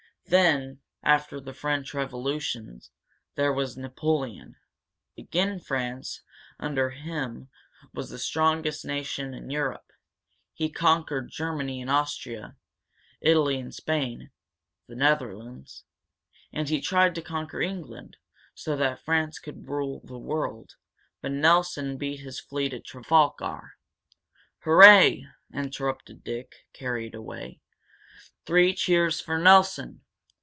"Then, after the French revolution, there was Napoleon. Again France, under him, was the strongest nation in Europe. He conquered Germany, and Austria, Italy and Spain, the Netherlands. And he tried to conquer England, so that France could rule the world. But Nelson beat his fleet at Trafalgar " "Hurrah!" interrupted Dick, carried away. "Three cheers for Nelson!"